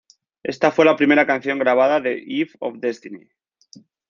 Esta fue la primera canción grabada de Eve of Destiny.